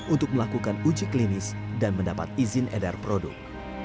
untuk melakukan uji klinis dan mendapat izin edar produk